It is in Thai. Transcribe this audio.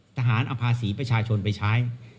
ทหารเอาภาษีประชาชนไปใช้